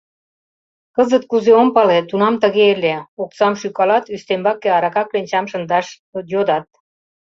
Кызыт кузе — ом пале, тунам тыге ыле: оксам шӱкалат, ӱстембаке арака кленчам шындаш йодат.